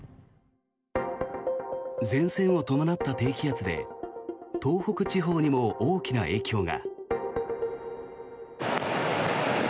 前線を伴った低気圧で東北地方にも大きな影響が。